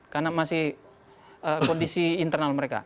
karena masih kondisi internal mereka